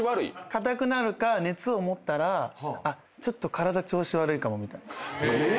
硬くなるか熱を持ったらちょっと体調子悪いかもみたいな。